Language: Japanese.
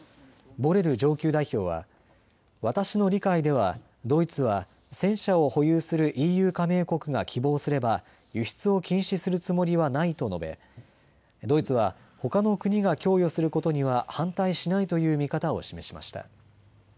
ボレル上級代表は私の理解ではドイツは戦車を保有するＥＵ加盟国が希望すれば輸出を禁止するつもりはないと述べドイツはほかの国が供与することには反対しないという見方を示しました。